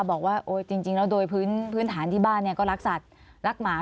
บอกว่าจริงแล้วโดยพื้นฐานที่บ้านก็รักสัตว์รักหมา